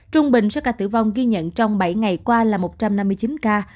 trung bình số ca tử vong ghi nhận trong bảy ngày qua là một trăm năm mươi chín ca